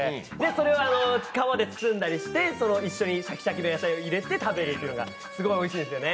それを皮で包んだりして、一緒にシャキシャキの野菜で食べるっていうのがすごいおいしいですよね！